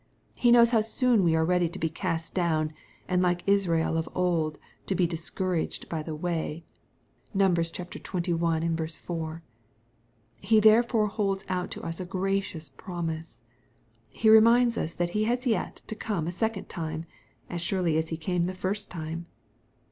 He knows how soon we are ready to be cast down, and like Israel of old to be ^' discour aged by the way." (Num.xxi.4.) He therefore holds out to us a gracious promise. He reminds us that He has yet to come a second time, as surely as He came the first time.